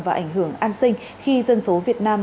và ảnh hưởng an sinh khi dân số việt nam